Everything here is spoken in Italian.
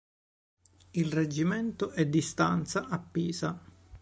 Il reggimento è di stanza a Pisa.